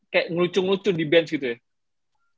kayak ngelucu ngelucu di bench gitu ya